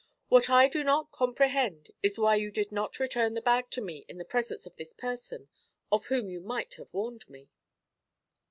'What I do not comprehend is why you did not return the bag to me in the presence of this person, of whom you might have warned me.'